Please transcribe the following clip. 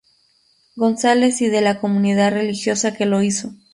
González y de la comunidad religiosa que lo hizo.